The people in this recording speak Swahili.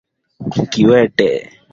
Dhana nzima ya Uchumi wa Buluu ni pana